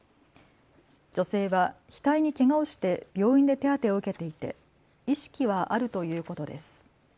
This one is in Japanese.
女性は額にけがをして病院で手当てを受けていて意識はあるということです。